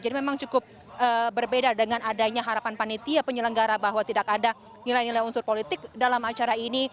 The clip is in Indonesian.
jadi memang cukup berbeda dengan adanya harapan panitia penyelenggara bahwa tidak ada nilai nilai unsur politik dalam acara ini